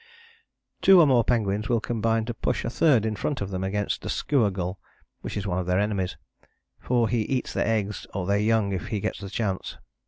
Two or more penguins will combine to push a third in front of them against a skua gull, which is one of their enemies, for he eats their eggs or their young if he gets the chance.